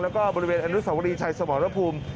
แล้วก็บริเวณอนุสาวรีชัยสมรภูมิ